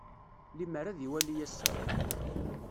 Limer ad iwali ass-a.